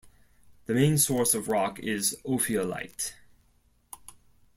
The main source of rock is ophiolite.